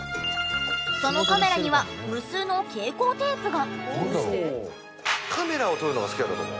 そのカメラには無数の蛍光テープが。